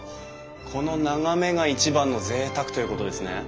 この眺めが一番のぜいたくということですね。